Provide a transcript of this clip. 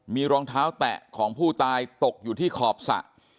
มีรองเท้าแตะของผู้ตายตกอยู่ที่ขอบสระ